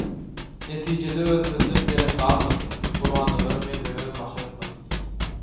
netijede özümizden derek galmady, Gurbannazara meňzemegem başartmady.